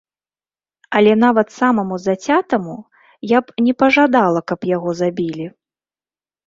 Але нават самаму зацятаму я б не пажадала, каб яго забілі.